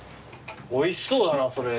おいしそうだなそれ。